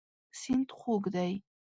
سیند خوږ دی.